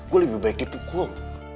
gue lebih baik dipukul